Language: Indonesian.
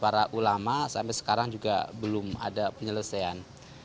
para ulama sampai sekarang juga belum ada penyelesaian